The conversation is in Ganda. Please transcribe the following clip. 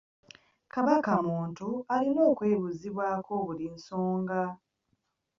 Kabaka muntu alina okwebuuzibwako buli nsonga.